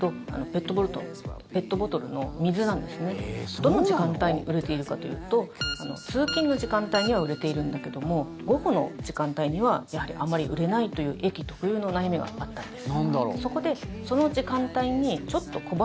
どの時間帯に売れているかというと通勤の時間帯には売れているんだけども午後の時間帯には、やはりあまり売れないという駅特有の悩みがあったんです。